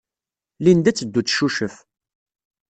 Linda ad teddu ad teccucef.